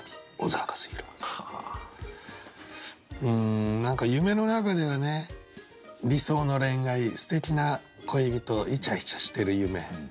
うん何か夢の中ではね理想の恋愛すてきな恋人いちゃいちゃしてる夢。